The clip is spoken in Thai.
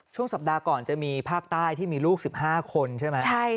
ช่วงสัปดาห์ก่อนจะมีภาคใต้ที่มีลูก๑๕คนใช่ไหม